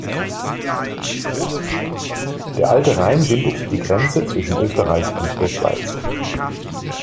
Der Alte Rhein bildet die Grenze zwischen Österreich und der Schweiz.